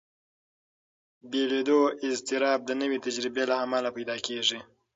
بېلېدو اضطراب د نوې تجربې له امله پیدا کېږي.